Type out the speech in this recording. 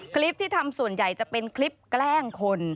คลิปที่ทำส่วนใหญ่จะเป็นคลิปแกล้งคน